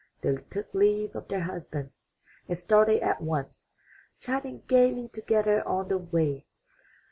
They took leave of their husbands and started at once, chatting gaily together on the way.